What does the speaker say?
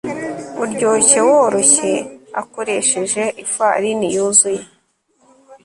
uryoshye woroshye akoresheje ifarine yuzuye